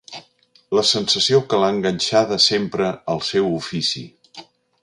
La sensació que l'ha enganxada sempre al seu ofici.